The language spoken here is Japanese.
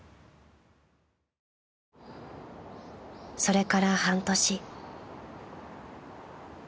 ［それから半年］